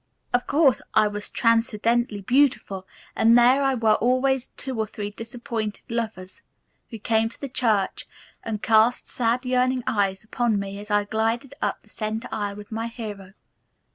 Of course, I was transcendently beautiful and there I were always two or three disappointed lovers, who came to the church and cast sad, yearning eyes upon me as I glided up the center aisle with my hero.